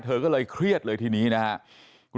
เธอก็เลยเครียดเลยทีนี้นะครับ